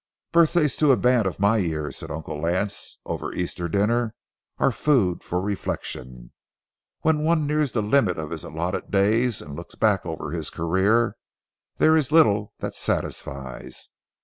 "Birthdays to a man of my years," said Uncle Lance, over Easter dinner, "are food for reflection. When one nears the limit of his allotted days, and looks back over his career, there is little that satisfies.